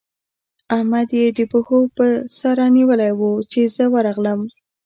احمد يې د پښو پر سره نيولی وو؛ چې زه ورغلم.